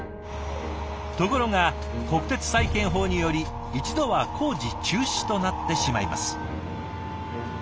ところが国鉄再建法により一度は工事中止となってしまいます。